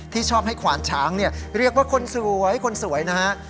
ที่ชอบให้ขวานช้างเรียกว่าคนสวยคนสวยนะฮะ